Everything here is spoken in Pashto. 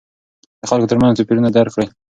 د خلکو ترمنځ توپیرونه درک کړئ.